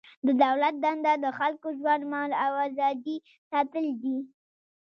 د دولت دنده د خلکو ژوند، مال او ازادي ساتل دي.